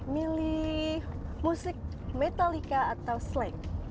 pilih musik metallica atau slank